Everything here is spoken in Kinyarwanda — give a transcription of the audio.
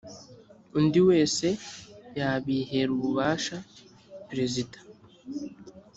undi wese yabihera ububasha perezida